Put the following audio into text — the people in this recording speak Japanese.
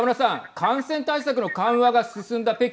感染対策の緩和が進んだ北京